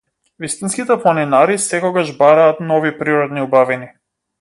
Вистинските планинари секогаш бараат нови природни убавини.